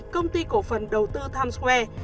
công ty cổ phần đầu tư times square